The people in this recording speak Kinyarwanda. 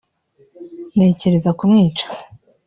ntekereza kumwica